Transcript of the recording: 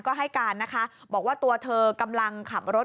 ก็ให้การนะคะบอกว่าตัวเธอกำลังขับรถ